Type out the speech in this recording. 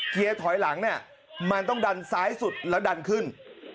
ถอยหลังเนี่ยมันต้องดันซ้ายสุดแล้วดันขึ้น